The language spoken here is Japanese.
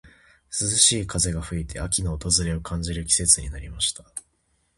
涼しい風が吹いて、秋の訪れを感じる季節になりました。